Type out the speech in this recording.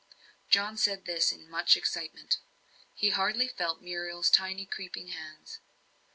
John said this in much excitement. He hardly felt Muriel's tiny creeping hands.